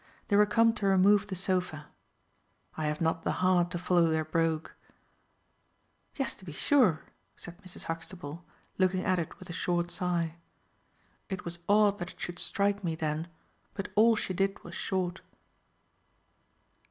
They were come to remove the sofa. I have not the heart to follow their brogue. "Yes to be sure," said Mrs. Huxtable, looking at it with a short sigh. It was odd that it should strike me then, but all she did was short.